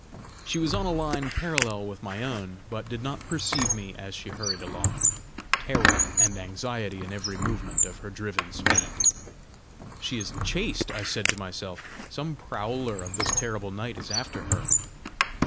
She was on a line parallel with my own, but did not perceive me as she hurried along, terror and anxiety in every movement of her driven speed. "She is chased!" I said to myself. "Some prowler of this terrible night is after her!"